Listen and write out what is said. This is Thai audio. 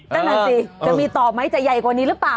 นั่นแหละสิจะมีต่อไหมจะใหญ่กว่านี้หรือเปล่า